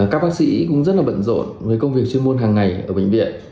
các bác sĩ cũng rất là bận rộn với công việc chuyên môn hàng ngày ở bệnh viện